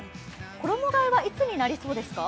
衣替えはいつになりそうですか？